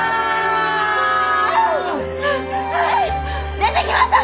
出てきました！